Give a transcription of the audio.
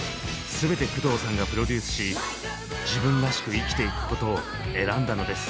すべて工藤さんがプロデュースし自分らしく生きていくことを選んだのです。